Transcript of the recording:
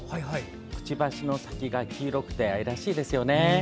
くちばしの先が黄色くて愛らしいですよね。